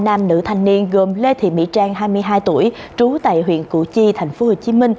nam nữ thanh niên gồm lê thị mỹ trang hai mươi hai tuổi trú tại huyện củ chi tp hcm